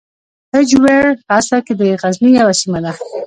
هجویر په اصل کې د غزني یوه سیمه ده.